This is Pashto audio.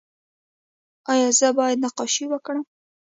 ایا زه باید نقاشي وکړم؟